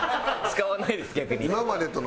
使わないです逆に。